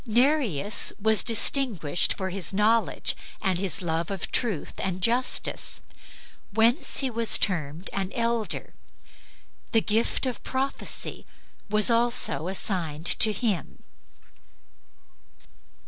Nereus was distinguished for his knowledge and his love of truth and justice, whence he was termed an elder; the gift of prophecy was also assigned to him.